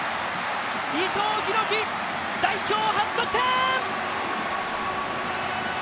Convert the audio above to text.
伊藤洋輝、代表初得点！